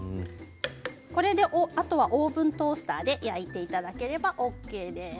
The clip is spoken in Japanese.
あとはオーブントースターで焼いていただければＯＫです。